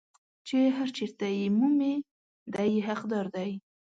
چې هر چېرته یې مومي دی یې حقدار دی.